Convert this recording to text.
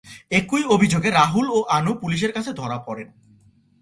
একই অভিযোগে রাহুল ও আনু পুলিশের কাছে ধরা পরেন।